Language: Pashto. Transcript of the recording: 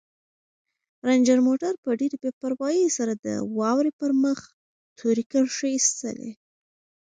رنجر موټر په ډېرې بې پروايۍ سره د واورې پر مخ تورې کرښې ایستلې.